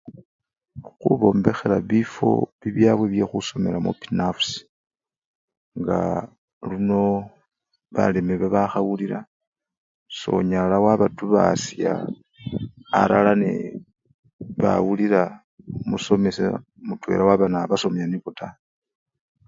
Khubombekhela bifwo bibyabwe byekhusomelamo binafusi nga luno baleme bakhawulila sonyala wabatubasya alala nende bawulila omusomesa mutwela waba nga nabasomya nibo taa.